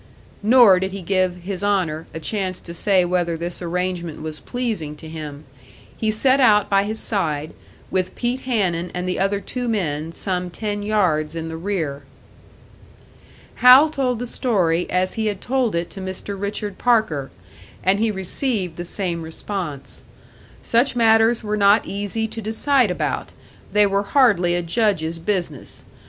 Nor did he give "His Honour" a chance to say whether this arrangement was pleasing to him; he set out by his side, with Pete Hanun and the other two men some ten yards in the rear. Hal told the story as he had told it to Mr. Richard Parker; and he received the same response. Such matters were not easy to decide about; they were hardly a Judge's business.